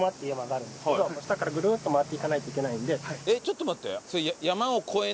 ちょっと待って。